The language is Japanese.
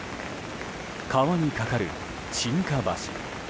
川に架かる沈下橋。